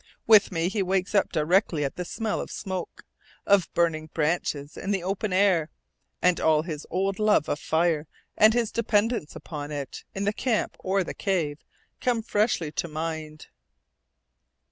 With me, he wakes up directly at the smell of smoke, of burning branches in the open air; and all his old love of fire and his dependence upon it, in the camp or the cave, come freshly to mind.